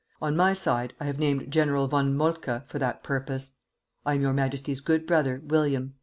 On my side I have named General von Moltke for that purpose. I am your Majesty's good brother, WILLIAM.